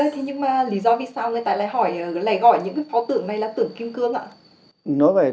thầy ơi thế nhưng mà lý do vì sao người ta lại hỏi